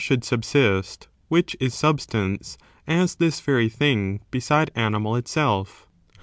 should subsist — which is substance — as this very thing beside animal itself?